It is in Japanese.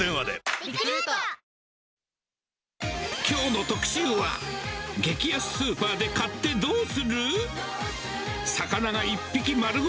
きょうの特集は、激安スーパーで買ってどうする？